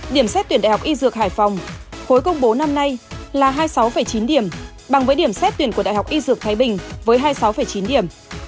điểm xét tuyển đại học y dược hải phòng khối công bố năm nay là hai mươi sáu chín điểm bằng với điểm xét tuyển của đại học y dược thái bình với hai mươi sáu chín điểm